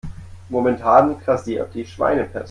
Momentan grassiert die Schweinepest.